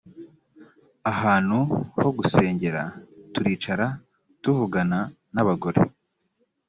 ahantu ho gusengera turicara tuvugana n abagore